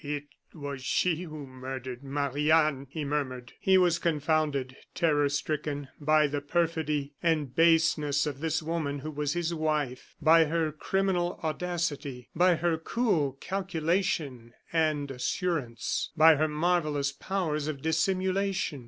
"It was she who murdered Marie Anne," he murmured. He was confounded, terror stricken by the perfidy and baseness of this woman who was his wife by her criminal audacity, by her cool calculation and assurance, by her marvellous powers of dissimulation.